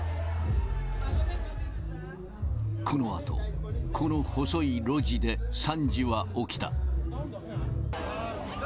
このあと、この細い路地で惨事は起きた。